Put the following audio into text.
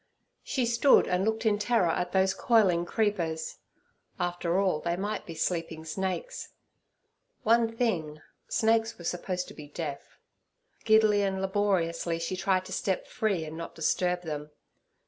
She stood and looked in terror at those coiling creepers; after all, they might be sleeping snakes. One thing, snakes were supposed to be deaf; giddily and laboriously she tried to step free and not disturb them.